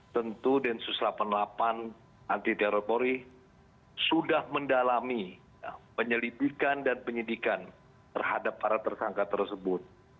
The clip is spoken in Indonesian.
tentu densus delapan puluh delapan anti teror polri sudah mendalami penyelidikan dan penyidikan terhadap para tersangka tersebut